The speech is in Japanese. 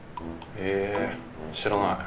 え知らない。